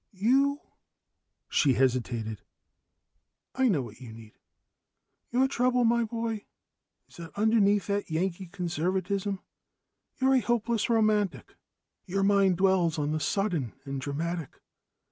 "You " She hesitated. "I know what you need. Your trouble, my boy, is that underneath that Yankee conservatism, you're a hopeless romantic. Your mind dwells on the sudden and dramatic.